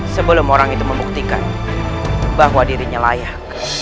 sebelum orang itu membuktikan bahwa dirinya layak